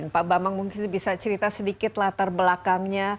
pak bambang mungkin bisa cerita sedikit latar belakangnya